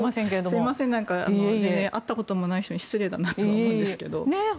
すみません会ったこともない人に失礼だなとは思うんですけど。